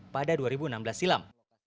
pada dua ribu enam belas silam